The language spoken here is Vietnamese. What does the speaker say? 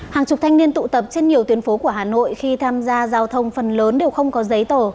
hàng chục thanh niên tụ tập trên nhiều tuyến phố của hà nội khi tham gia giao thông phần lớn đều không có giấy tờ